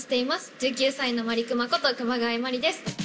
１９歳のまりくまこと熊谷真里です。